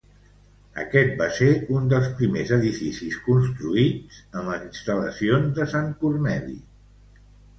Aquest va ser un dels primers edificis construïts en les instal·lacions de Sant Corneli.